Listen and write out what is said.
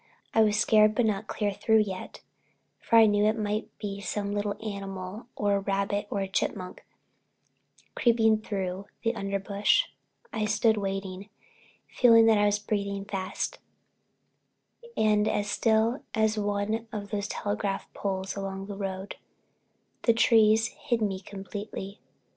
I was scared but not clear through yet, for I knew it might be some little animal, a rabbit or a chipmunk, creeping through the underbrush. I stood waiting, feeling that I was breathing fast, and as still as one of the telegraph poles along the road. The trees hid me completely.